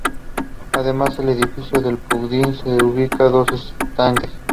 Además del edificio, en el pódium se ubican dos estanques.